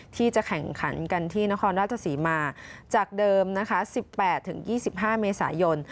ที่จะแข่งขันกันที่นครราชศรีมาจากเดิมนะคะ๑๘๒๕เมษายน